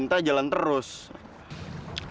tapi kalo gak dari lu